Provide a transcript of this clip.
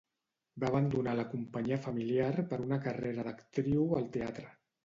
Va abandonar la companyia familiar per una carrera d'actriu al teatre.